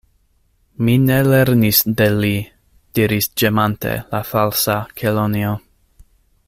"Mi ne lernis de li," diris ĝemante la Falsa Kelonio.